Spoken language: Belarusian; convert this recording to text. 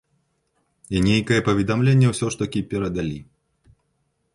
І нейкае паведамленне ўсё ж перадалі.